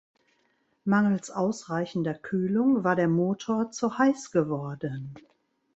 Mangels ausreichender Kühlung war der Motor zu heiß geworden.